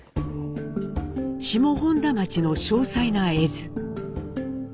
下本多町の詳細な絵図。